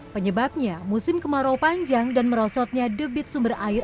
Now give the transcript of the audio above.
penyebabnya musim kemarau panjang dan merosotnya debit sumber air